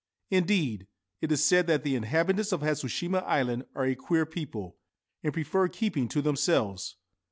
Indeed, it is said that the inhabitants of Hatsushima Island are a queer people, and prefer keeping to themselves.